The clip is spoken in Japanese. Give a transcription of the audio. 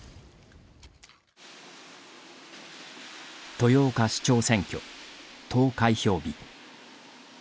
豊岡市長選挙、投開票日。